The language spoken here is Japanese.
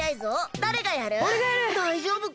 だいじょうぶか？